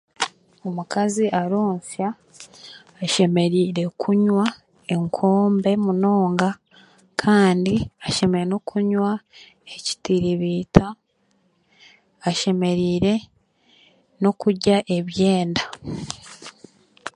Omukazi aronsya, ashemereire kunywa enkombe munonga, kandi ashemereire n'okunywa ekitiribiita, ashemereire n'okurya ebyenda.